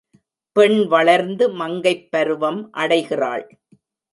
பெண் வளர்ந்து மங்கைப் பருவம் அடைகிறாள்.